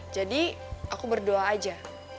jadi aku berdoa aja